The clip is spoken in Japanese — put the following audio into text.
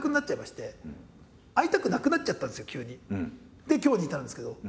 でもで今日に至るんですけど。